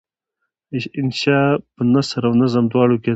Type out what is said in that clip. انشأ په نثر او نظم دواړو کیدای شي.